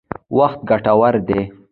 وخت ګټور دی.